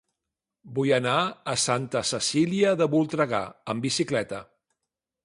Vull anar a Santa Cecília de Voltregà amb bicicleta.